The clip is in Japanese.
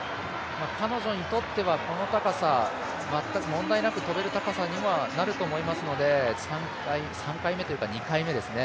彼女にとってはこの高さ全く問題なく跳べる高さにはなると思いますので３回目というか２回目ですね